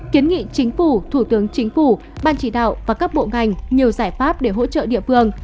kiến nghị chính phủ thủ tướng chính phủ ban chỉ đạo và các bộ ngành nhiều giải pháp để hỗ trợ địa phương